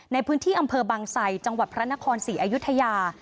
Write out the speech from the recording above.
ในพื้นที่อำเภอบางไสจังหวัดพระนครศรีอยุธยา